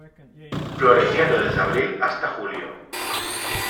Floreciendo desde abril hasta julio.